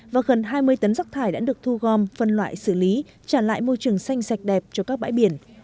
và gần hai mươi tấn rác thải đã được thu gom phân loại xử lý trả lại môi trường xanh sạch đẹp cho các bãi biển